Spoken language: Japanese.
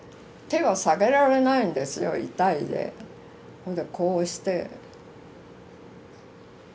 ほんでこうして。